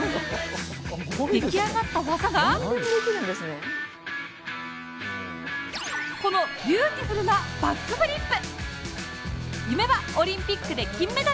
できあがった技がこのビューティフルなバックフリップ。